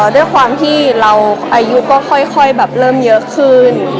ด้วยความที่เราอายุก็ค่อยแบบเริ่มเยอะขึ้น